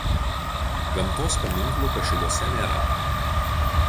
gamtos paminklų Pašiliuose nėra